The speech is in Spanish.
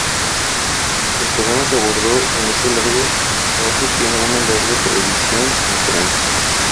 El problema que abordó en ese largo trabajo tiene una larga tradición en Francia.